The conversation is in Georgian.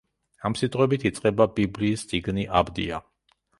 ამ სიტყვებით იწყება ბიბლიის წიგნი „აბდია“.